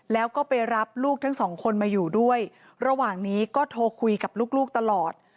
แล้วก็ไปรับลูกทั้งสองคนมาอยู่ด้วยระหว่างนี้ก็โทรคุยกับลูกตลอด